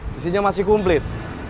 disinya masih kumplit